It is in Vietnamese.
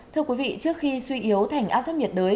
thưa quý vị trước khi suy yếu thành áp thấp nhiệt đới